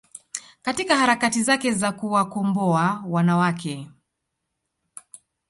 katika harakati zake za kuwakomboa wanawake